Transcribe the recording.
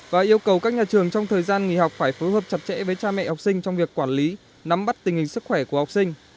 và yêu cầu các nhà trường trong thời gian nghỉ học phải phối hợp chặt chẽ với cha mẹ học sinh trong việc quản lý nắm bắt tình hình sức khỏe của học sinh